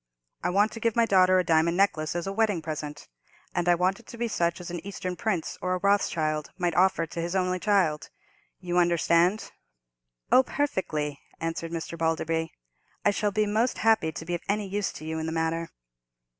I want to give my daughter a diamond necklace as a wedding present, and I want it to be such as an Eastern prince or a Rothschild might offer to his only child. You understand?" "Oh, perfectly," answered Mr. Balderby; "I shall be most happy to be of any use to you in the matter."